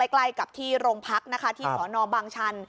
ไกลกับที่รงพักที่สอนอบางชัน